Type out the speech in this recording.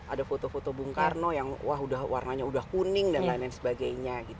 ada foto foto bung karno yang wah warnanya udah kuning dan lain lain sebagainya